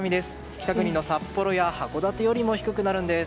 北国の札幌や函館より低くなるんです。